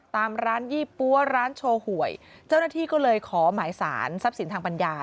ตามร้านยี่ปั๊วร้านโชว์หวยเจ้าหน้าที่ก็เลยขอหมายสารทรัพย์สินทางปัญญา